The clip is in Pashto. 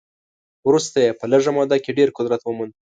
وروسته یې په لږه موده کې ډېر قدرت وموند.